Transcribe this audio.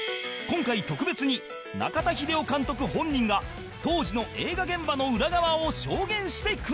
今回特別に中田秀夫監督本人が当時の映画現場の裏側を証言してくれた